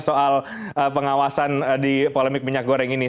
soal pengawasan di polemik minyak goreng ini